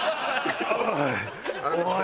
おい！